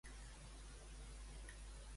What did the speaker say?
Què ha comentat Mas sobre l'entitat de Junts?